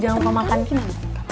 jangan mau makan gini